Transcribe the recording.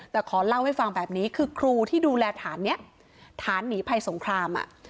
แต่ขอเล่าให้ฟังแบบนี้คือครูที่ดูแลฐานนี้ฐานหนีภัยสงคราม